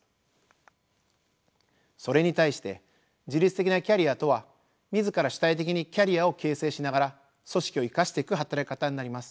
それに対して自律的なキャリアとは自ら主体的にキャリアを形成しながら組織を生かしていく働き方になります。